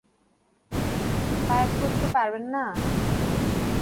বাইর করতে পারবেন না!